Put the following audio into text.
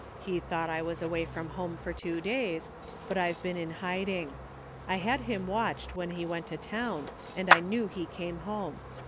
He thought I was away from home for two days, but I've been in hiding. I had him watched when he went to town and I knew he came home.